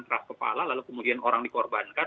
keras kepala lalu kemudian orang dikorbankan